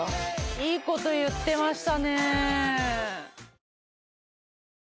いいこと言ってましたね。